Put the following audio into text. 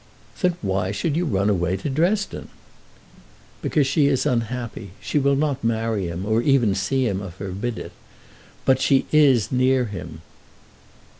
"Then why should you run away to Dresden?" "Because she is unhappy. She will not marry him, or even see him, if I forbid it. But she is near him."